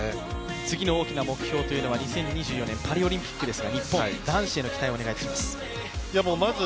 次の大きな目標は２０２４年のパリオリンピックですが、日本男子への期待をお願いいたします。